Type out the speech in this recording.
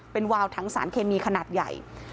เป็นวาวถังสารเคมีขนาดใหญ่